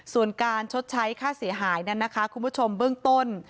ส่วนการชดใช้ค่าเสียหายนั้นนะคะคุณผู้ชมเบื้องต้น